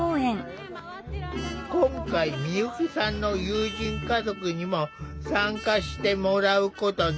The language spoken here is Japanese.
今回美由紀さんの友人家族にも参加してもらうことに。